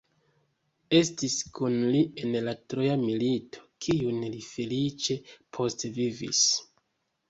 Estis kun li en la Troja milito, kiun li feliĉe postvivis.